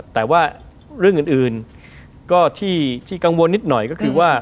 แต่ว่าเรื่องอื่นก็ที่กังวลนิดหน่อยก็คือว่า